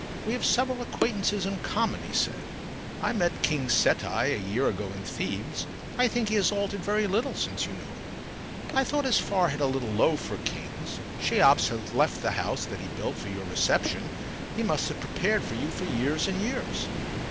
"We have several acquaintances in common," he said. "I met King Seti a year ago in Thebes. I think he has altered very little since you knew him. I thought his forehead a little low for a king's. Cheops has left the house that he built for your reception, he must have prepared for you for years and years.